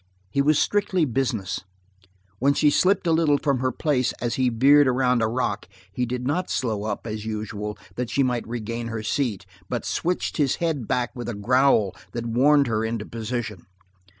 He was strictly business. When she slipped a little from her place as he veered around a rock he did not slow up, as usual, that she might regain her seat, but switched his head back with a growl that warned her into position.